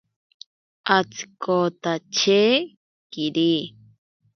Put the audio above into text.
Atsikotache kiri.